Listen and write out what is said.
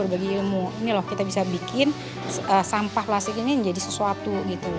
bagi ilmu ini loh kita bisa bikin sampah plastik ini menjadi sesuatu gitu